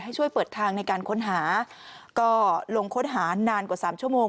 ให้ช่วยเปิดทางในการค้นหาก็ลงค้นหานานกว่าสามชั่วโมง